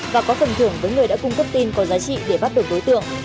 và có phần thưởng với người đã cung cấp tin có giá trị để bắt được đối tượng